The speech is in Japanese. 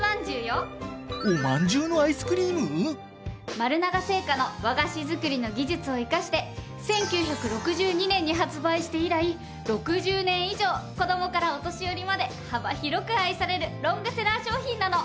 丸永製菓の和菓子作りの技術を生かして１９６２年に発売して以来６０年以上子供からお年寄りまで幅広く愛されるロングセラー商品なの！